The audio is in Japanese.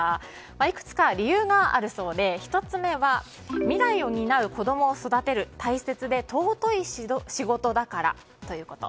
いくつか理由があるそうで１つ目は未来を担う子供を育てる大切で尊い仕事だからということ。